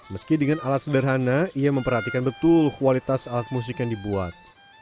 meski dengan alat sederhana ia memperhatikan betul kualitas alat musik yang dibuat